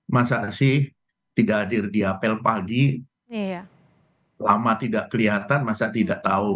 masa sih tidak hadir di apel pagi lama tidak kelihatan masa tidak tahu